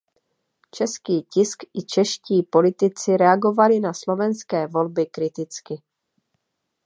Český tisk i čeští politici reagovali na slovenské volby kriticky.